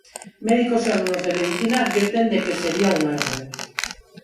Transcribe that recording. Médicos e alumnos de Medicina advirten de que sería un erro.